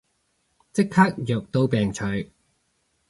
即刻藥到病除